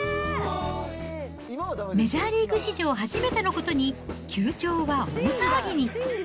メジャーリーグ史上初めてのことに、球場は大騒ぎに。